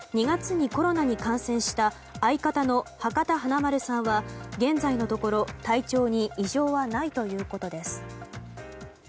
２月にコロナに感染した相方の博多華丸さんは現在のところ体調に異常はないということです。